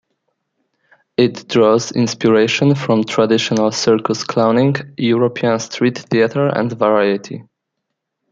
It draws inspiration from traditional circus clowning, European street theater and variety.